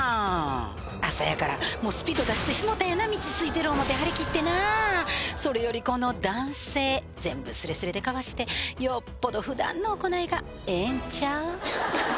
朝やからスピード出してしもうたんやな道すいてる思って張り切ってなそれよりこの男性全部スレスレでかわしてよっぽど普段の行いがええんちゃう？